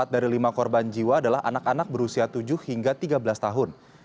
empat dari lima korban jiwa adalah anak anak berusia tujuh hingga tiga belas tahun